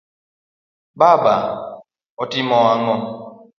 Baba:otimo ang'o?